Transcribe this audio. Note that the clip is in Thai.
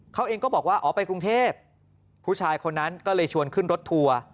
เขาเองก็บอกว่าอ๋อไปกรุงเทพผู้ชายคนนั้นก็เลยชวนขึ้นรถทัวร์